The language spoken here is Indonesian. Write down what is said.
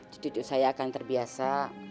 cucu saya akan terbiasa